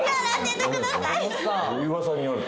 噂によると。